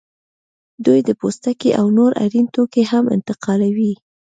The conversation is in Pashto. دوی د پوستکي او نور اړین توکي هم انتقالوي